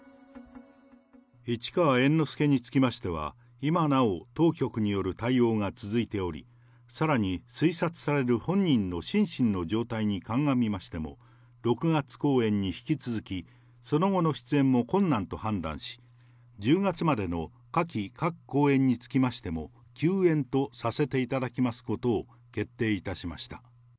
市川猿之助につきましては、今なお当局による対応が続いており、さらに推察される本人の心身の状態に鑑みましても、６月公演に引き続き、その後の出演も困難と判断し、１０月までの下記各公演につきましても、休演とさせていただきますことを決定いたしました。